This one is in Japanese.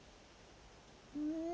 うん！